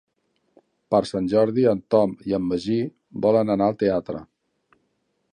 Per Sant Jordi en Tom i en Magí volen anar al teatre.